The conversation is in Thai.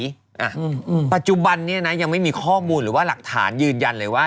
อืมปัจจุบันเนี้ยนะยังไม่มีข้อมูลหรือว่าหลักฐานยืนยันเลยว่า